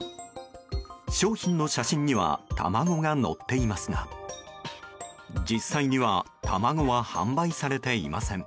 商品の写真には卵がのっていますが実際には卵は販売されていません。